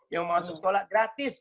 yang masuk sekolah gratis